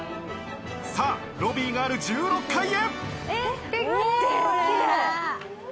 さぁ、ロビーがある１６階へ。